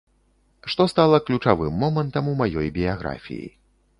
Што стала ключавым момантам у маёй біяграфіі.